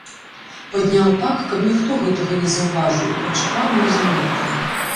Падняў так, каб ніхто гэтага не заўважыў, і прачытаў неўзаметку.